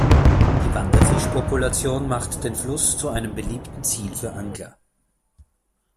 Die Wanderfisch-Population macht den Fluss zu einem beliebten Ziel für Angler.